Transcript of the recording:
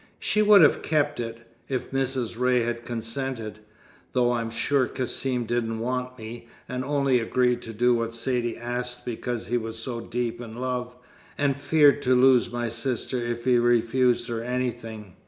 "She would have kept it, if Mrs. Ray had consented though I'm sure Cassim didn't want me, and only agreed to do what Saidee asked because he was so deep in love, and feared to lose my sister if he refused her anything.